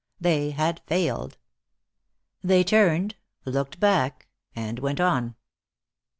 They had failed. They turned, looked back, and went on.